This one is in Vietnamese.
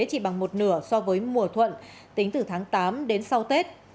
chỉ bằng một nửa so với mùa thuận tính từ tháng tám đến sau tết